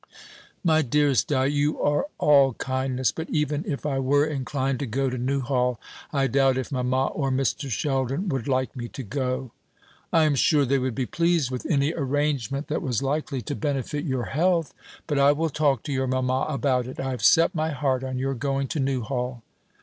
"My dearest Di, you are all kindness; but even if I were inclined to go to Newhall, I doubt if mamma or Mr. Sheldon would like me to go." "I am sure they would be pleased with any arrangement that was likely to benefit your health. But I will talk to your mamma about it. I have set my heart on your going to Newhall."